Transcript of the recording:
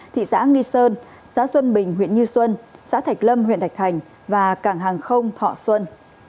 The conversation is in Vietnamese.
thị xã nghi sơn xã xuân bình huyện như xuân xã thạch lâm huyện thạch thành và cảng hàng không thọ xuân